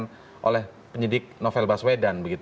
yang oleh penyidik novel baswedan